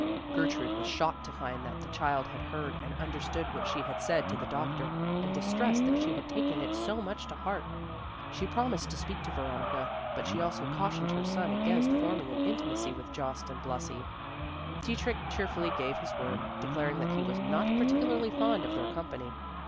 Gertrude was shocked to find that the child had heard and understood what she had said to the doctor, and distressed that she had taken it so much to heart. She promised to speak to Veronica, but she also cautioned her son against forming an intimacy with Jost and Blasi. Dietrich cheerfully gave his word; declaring that he was not particularly fond of their company.